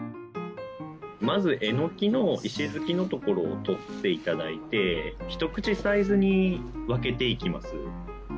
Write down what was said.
まずエノキの石づきのところをとっていただいてひと口サイズに分けていきます。